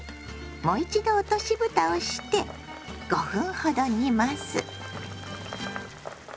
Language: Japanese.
もう一度落としぶたをして５分ほど煮ます。